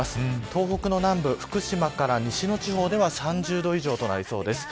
東北の南部、福島から西の地方では３０度以上となりそうです。